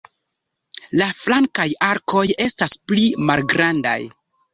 La flankaj arkoj estas pli malgrandaj.